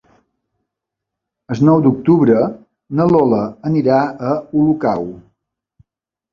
El nou d'octubre na Lola anirà a Olocau.